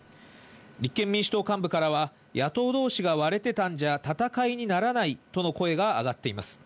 立憲民主党幹部からは、野党どうしが割れてたんじゃ、戦いにならないとの声が上がっています。